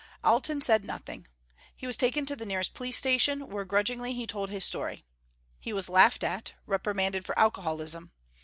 Alten said nothing. He was taken to the nearest police station where grudgingly, he told his story. He was laughed at; reprimanded for alcoholism.